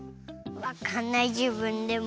わかんないじぶんでも。